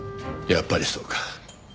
やっぱりそうか。